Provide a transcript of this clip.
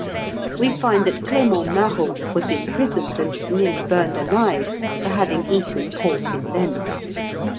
We find that Clément Marot was imprisoned and nearly burned alive for having eaten pork in Lent.